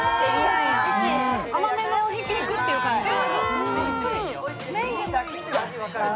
甘めのひき肉っていう感じで。